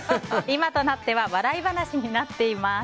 今となっては笑い話になっています。